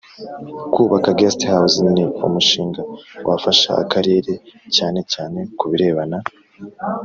Kubaka Guest House ni umushinga wafasha Akarere cyane cyane ku birebana